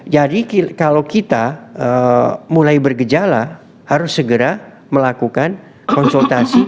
jadi kalau kita mulai bergejala harus segera melakukan konsultasi